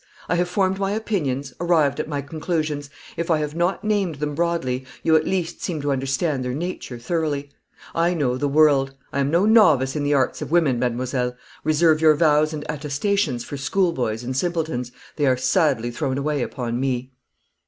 I have formed my opinions, arrived at my conclusions. If I have not named them broadly, you at least seem to understand their nature thoroughly. I know the world. I am no novice in the arts of women, mademoiselle. Reserve your vows and attestations for schoolboys and simpletons; they are sadly thrown away upon me."